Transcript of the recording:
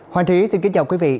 hoàng trí xin kính chào quý vị